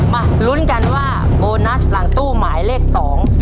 มาลุ้นกันว่าโบนัสหลังตู้หมายเลขสอง